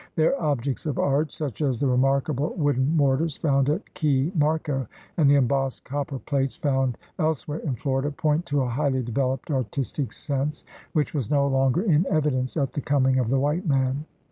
Their objects of art, such as the remarkable wooden mortars found at Key Marco and the embossed copper plates found else where in Florida, point to a highly developed artistic sense which was no longer in evidence at the coming of the white man.